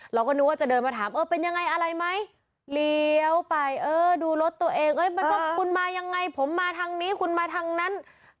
เราก็นึกว่าจะเดินมาถามเออเป็นยังไงอะไรไหมเลี้ยวไปเออดูรถตัวเองคุณมายังไงผมมาทางนี้คุณมาทางนั้น